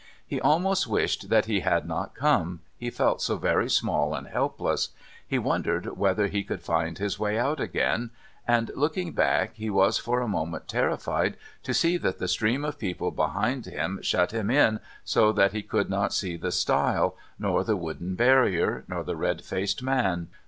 He almost wished that he had not come, he felt so very small and helpless; he wondered whether he could find his way out again, and looking back, he was for a moment terrified to see that the stream of people behind him shut him in so that he could not see the stile, nor the wooden barrier, nor the red faced man.